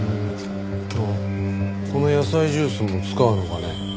あっこの野菜ジュースも使うのかね？